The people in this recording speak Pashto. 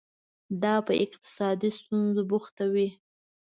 دا په اقتصادي ستونزو بوختوي.